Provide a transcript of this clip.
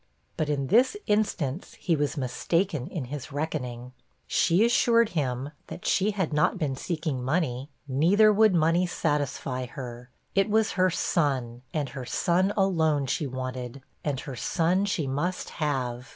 But in this instance, he was mistaken in his reckoning. She assured him, that she had not been seeking money, neither would money satisfy her; it was her son, and her son alone she wanted, and her son she must have.